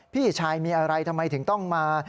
พี่ชายมีอะไรทำไมถึงต้องมา